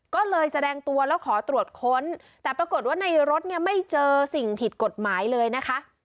ก็เลยแสดงตัวแล้วขอตรวจค้นแต่ปรากฏว่าในรถเนี่ยไม่เจอสิ่งผิดกฎหมายเลยนะคะ